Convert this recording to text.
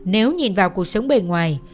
nếu nhìn vào cuộc sống bề ngoài